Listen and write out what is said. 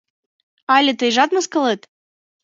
Але тыйжат мыскылет?